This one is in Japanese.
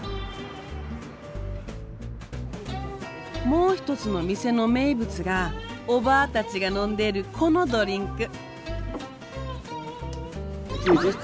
もう一つの店の名物がおばあたちが飲んでいるこのドリンク。